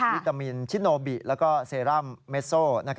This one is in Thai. วิตามินชิโนบิแล้วก็เซรั่มเมสโซ